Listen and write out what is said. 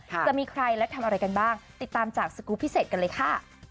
จะมีใครและทำอะไรกันบ้างติดตามจากสกูลพิเศษกันเลยค่ะ